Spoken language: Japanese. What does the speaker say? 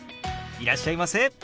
いらっしゃいませ。